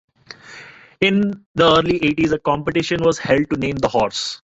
In the early eighties, a competition was held to name the horse.